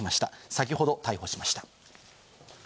先ほど逮捕しました。